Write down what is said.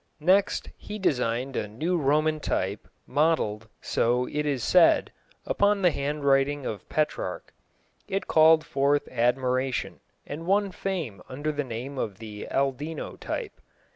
Next he designed a new Roman type, modelled, so it is said, upon the handwriting of Petrarch. It called forth admiration, and won fame under the name of the "Aldino" type.